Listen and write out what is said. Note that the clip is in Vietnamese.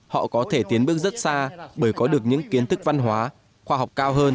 họ có thể tiến bước rất xa bởi có được những kiến thức văn hóa khoa học cao hơn